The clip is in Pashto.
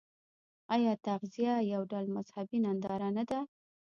آیا تعزیه یو ډول مذهبي ننداره نه ده؟